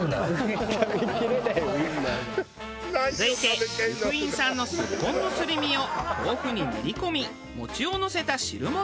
続いて由布院産のすっぽんのすり身を豆腐に練り込み餅をのせた汁物。